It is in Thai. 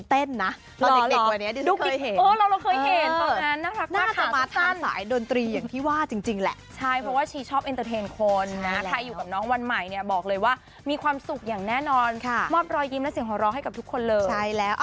ถ้าเขาชอบก็เข้าไปว่ากันรอเขาโตเพลงหน่อย